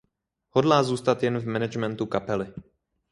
Hodlá zůstat jen v managementu kapely.